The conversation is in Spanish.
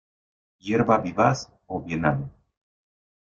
Hierba vivaz o bienal.